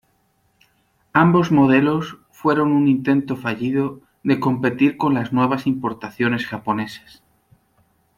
Ambos modelos fueron un intento fallido de competir con las nuevas importaciones japonesas.